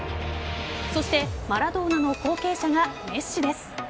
そしてマラドーナの後継者がメッシです。